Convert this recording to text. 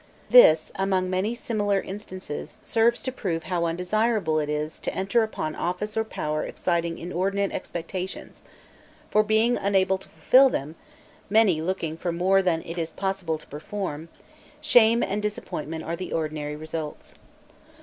This, among many similar instances, serves to prove how undesirable it is to enter upon office or power exciting inordinate expectations; for, being unable to fulfil them (many looking for more than it is possible to perform), shame and disappointment are the ordinary results.